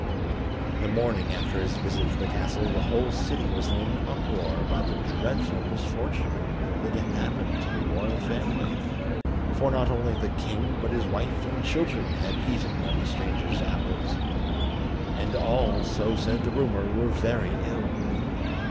The morning after his visit to the castle the whole city was in an uproar about the dreadful misfortune that had happened to the Royal Family, for not only the king but his wife and children, had eaten of the stranger's apples, and all, so said the rumour, were very ill.